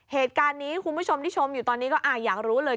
เหตุการณ์นี้คุณผู้ชมที่ชมอยู่ตอนนี้ก็อยากรู้เลย